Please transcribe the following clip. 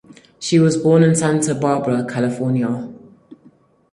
She was born in Santa Barbara, California.